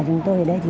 chúng tôi ở đây